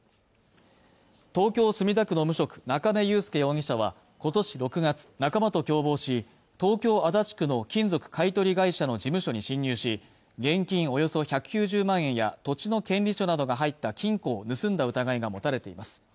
東京・墨田区の無職中明裕介容疑者は今年６月仲間と共謀し東京・足立区の金属買い取り会社の事務所に侵入し現金およそ１９０万円や土地の権利書などが入った金庫を盗んだ疑いが持たれています